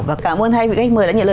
và cảm ơn hai vị khách mời đã nhận lời